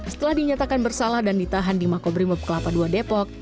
setelah dinyatakan bersalah dan ditahan di makobrimob kelapa ii depok